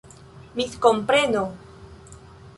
miskompreno